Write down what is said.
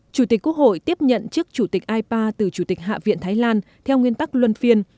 chủ tịch quốc hội tiếp nhận chức chủ tịch ipa từ chủ tịch hạ viện thái lan theo nguyên tắc luân phiên